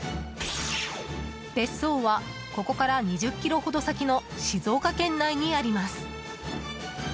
別荘はここから２０ｋｍほど先の静岡県内にあります。